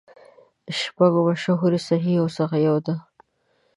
شپږو مشهورو صحیحو څخه یوه ده.